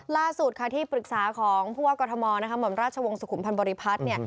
ล่าสุดค่ะที่ปรึกษาของพวกกฎมอลราชวงศ์สุขุมพันธ์บริพัฒน์